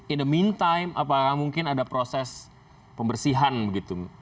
in the meantime apakah mungkin ada proses pembersihan begitu